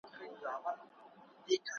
چي له قاصده مي لار ورکه تر جانانه نه ځي `